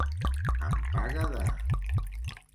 En paga de.